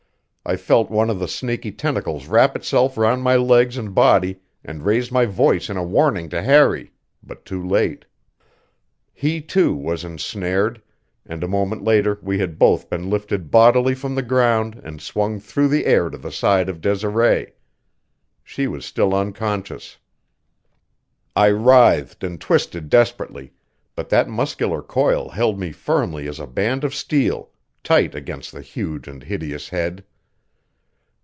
I felt one of the snaky tentacles wrap itself round my legs and body, and raised my voice in a warning to Harry, but too late. He, too, was ensnared, and a moment later we had both been lifted bodily from the ground and swung through the air to the side of Desiree. She was still unconscious. I writhed and twisted desperately, but that muscular coil held me firmly as a band of steel, tight against the huge and hideous head.